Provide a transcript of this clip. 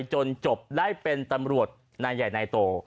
จนจบได้เป็นตำรวจนายใหญ่นายโต